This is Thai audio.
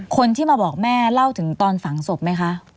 คนที่มาบอกแม่เล่าถึงตอนฝังศพไหมคะ